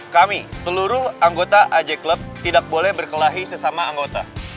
kami seluruh anggota aj club tidak boleh berkelahi sesama anggota